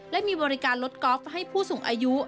และมีบริการรถกอล์ฟให้ผู้สูงอายุ